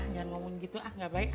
jangan ngomong gitu ah nggak baik ah